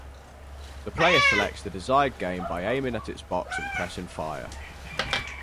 The player selects the desired game by aiming at its box and pressing fire.